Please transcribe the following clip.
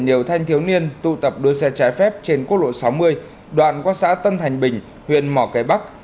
nhiều thanh thiếu niên tụ tập đua xe trái phép trên quốc lộ sáu mươi đoạn qua xã tân thành bình huyện mỏ cái bắc